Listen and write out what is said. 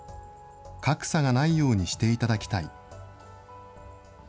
格差がないようにしていただきたい。